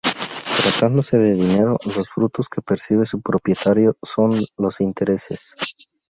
Tratándose de dinero, los frutos que percibe su propietario son los intereses.